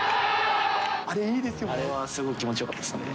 あれ、いいですよね。